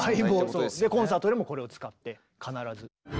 コンサートでもこれを使って必ず。